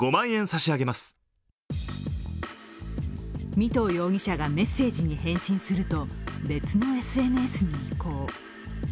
味藤容疑者がメッセージに返信すると、別のＳＮＳに移行。